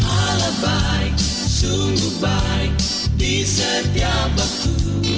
alam baik sungguh baik di setiap waktu